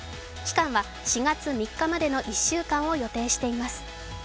期間は４月３日までの１週間を予定しています。